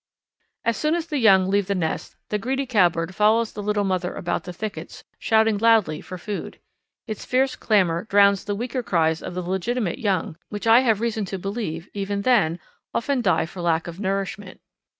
As soon as the young leave the nest the greedy Cowbird follows the little mother about the thickets, shouting loudly for food. Its fierce clamour drowns the weaker cries of the legitimate young, which I have reason to believe even then often die for lack of nourishment.